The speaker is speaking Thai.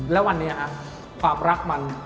แล้ววันนี้ความรักมัน